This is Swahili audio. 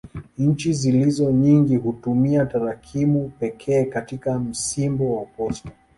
Nchi zilizo nyingi hutumia tarakimu pekee katika msimbo wa posta.